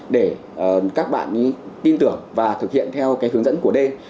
để các bạn ý tin tưởng và thực hiện theo hướng dẫn của d